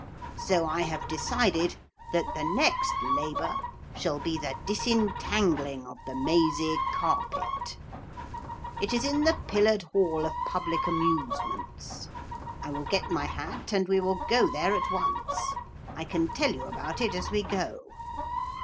So I have decided that the next labour shall be the disentangling of the Mazy Carpet. It is in the Pillared Hall of Public Amusements. I will get my hat and we will go there at once. I can tell you about it as we go.'